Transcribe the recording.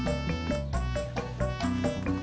iya abang sengaja pulang cepat